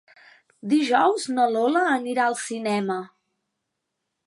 Dijous na Lola anirà al cinema.